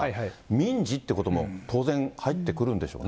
民事っていうことも当然、入ってくるんでしょうね。